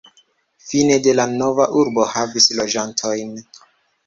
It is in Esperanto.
Fine de la nova urbo havis loĝantojn.